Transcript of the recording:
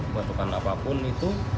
membutuhkan apapun itu